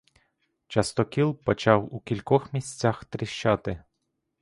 Частокіл почав у кількох місцях тріщати.